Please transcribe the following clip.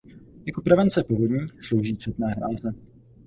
Jako prevence povodní slouží četné hráze.